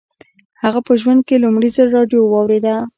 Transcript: هغه په ژوند کې لومړي ځل راډیو واورېده